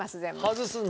外すんだ。